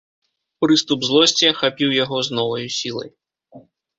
Прыступ злосці ахапіў яго з новаю сілай.